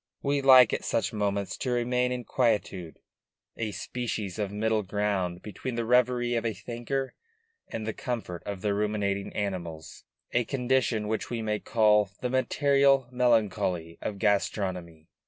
We like at such moments to remain in quietude, a species of middle ground between the reverie of a thinker and the comfort of the ruminating animals; a condition which we may call the material melancholy of gastronomy.